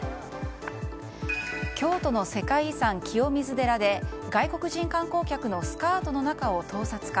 京都の世界遺産・清水寺で外国人観光客のスカートの中を盗撮か。